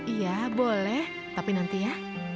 iya boleh tapi nanti ya